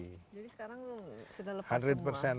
jadi sekarang sudah lepas semua